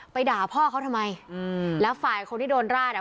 ด่าพ่อเขาทำไมอืมแล้วฝ่ายคนที่โดนราดอ่ะ